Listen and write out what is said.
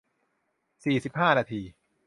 สี่สิบห้า นาที